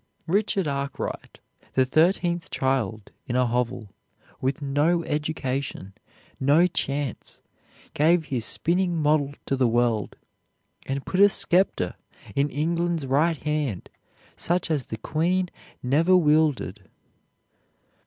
Richard Arkwright, the thirteenth child, in a hovel, with no education, no chance, gave his spinning model to the world, and put a scepter in England's right hand such as the queen never wielded.